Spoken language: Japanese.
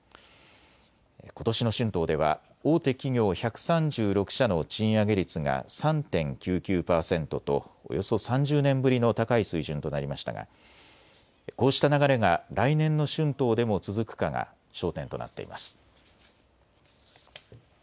ことしの春闘では大手企業１３６社の賃上げ率が３．９９％とおよそ３０年ぶりの高い水準となりましたがこうした流れが来年の春闘でも続くかが焦点となっています。